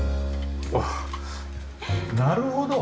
あっなるほど！